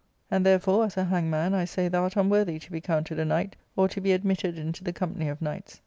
And tlierefore, as a hangman, I say thou art unworthy to be counted a knight, or to be admitted into £he company of knights.